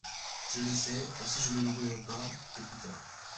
Je le sais… aussi je ne l’oublierai pas et plus tard…